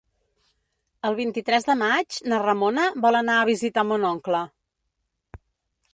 El vint-i-tres de maig na Ramona vol anar a visitar mon oncle.